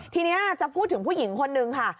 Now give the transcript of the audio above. ทีนี้จะพูดถึงผู้หญิงคนนึงค่ะ